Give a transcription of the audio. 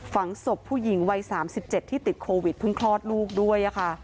ฝังศพผู้หญิงวัย๓๗ที่ติดโควิดเพิ่งคลอดลูกด้วย